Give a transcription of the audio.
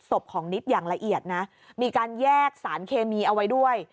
ของนิดอย่างละเอียดนะมีการแยกสารเคมีเอาไว้ด้วย